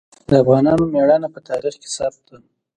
د افغانانو ميړانه په تاریخ کې ثبت ده.